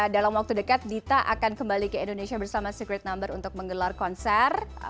dalam waktu dekat dita akan kembali ke indonesia bersama secret number untuk menggelar konser